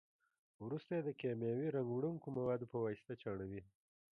وروسته یې د کیمیاوي رنګ وړونکو موادو په واسطه چاڼوي.